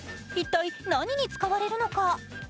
一体何に使われるのか。